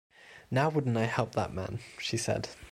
“Now wouldn’t I help that man!” she said.